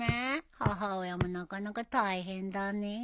母親もなかなか大変だねえ。